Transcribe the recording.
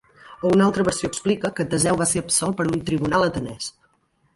O una altra versió explica que Teseu va ser absolt per un tribunal atenès.